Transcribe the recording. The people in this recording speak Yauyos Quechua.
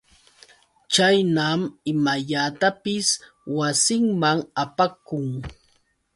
Chaynam imallatapis wasinman apakun.